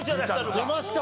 出ました！